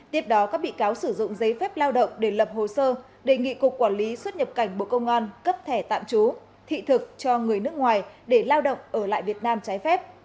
tiếp đó các bị cáo sử dụng giấy phép lao động để lập hồ sơ đề nghị cục quản lý xuất nhập cảnh bộ công an cấp thẻ tạm trú thị thực cho người nước ngoài để lao động ở lại việt nam trái phép